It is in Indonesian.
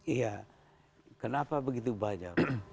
iya kenapa begitu banyak